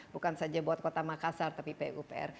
bukan saja buat kota makassar tapi pupr